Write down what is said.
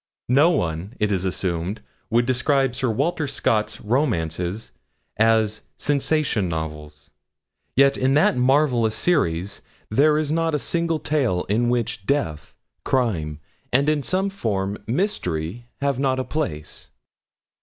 No one, it is assumed, would describe Sir Walter Scott's romances as 'sensation novels;' yet in that marvellous series there is not a single tale in which death, crime, and, in some form, mystery, have not a place.